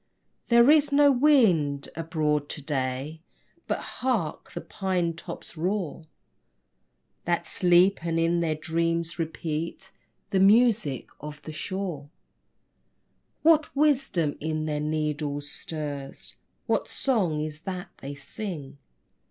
There is no wind abroad to day. But hark! the pine tops' roar, That sleep and in their dreams repeat The music of the shore. What wisdom in their needles stirs? What song is that they sing?